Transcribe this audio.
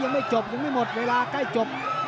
ยังไม่จบยังไม่หมดเวลาใกล้จบ